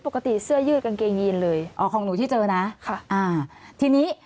เสื้อยืดกางเกงยีนเลยอ๋อของหนูที่เจอนะค่ะอ่าทีนี้